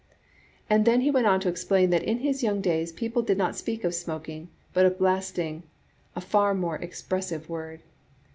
' An then he went on to explain that in his young days people did not speak of smoking, but of blasting — *a far more expressive word.'